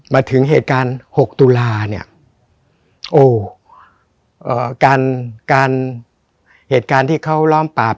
มาถึงเหตุการณ์หกตุลาเนี่ยโอ้เอ่อการการเหตุการณ์ที่เขาล้อมปราบ